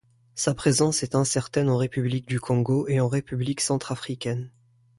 Sa présence est incertaine en République du Congo et en République centrafricaine.